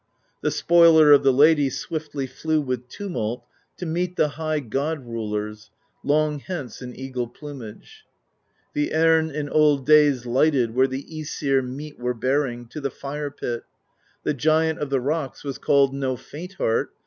The Spoiler of the Lady Swiftly flew with tumult To meet the high god rulers Long hence in eagle plumage; The erne in old days lighted Where the i^sir meat were bearing To the fire pit; the Giant Of the rocks was called no faint heart.